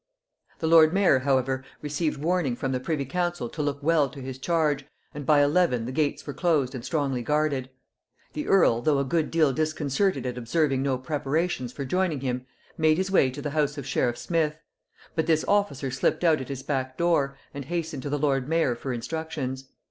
The lord mayor however received warning from the privy council to look well to his charge, and by eleven the gates were closed and strongly guarded. The earl, though a good deal disconcerted at observing no preparations for joining him, made his way to the house of sheriff Smith; but this officer slipped out at his back door and hastened to the lord mayor for instructions.